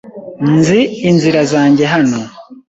Nzi inzira zanjye hano.